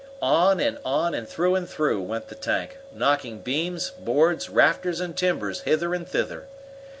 On and on and through and through went the tank, knocking beams, boards, rafters and timbers hither and thither.